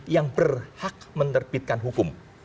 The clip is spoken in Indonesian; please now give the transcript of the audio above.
yang berhak menerbitkan hukum